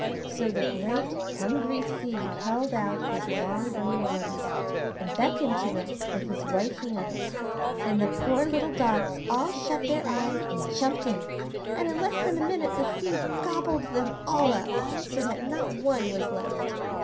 So the great hungry Sea held out his long, green arms, and beckoned to them with his white hands; and the poor little dogs all shut their eyes and jumped in, and in less than a minute the Sea gobbled them all up, so that not one was left.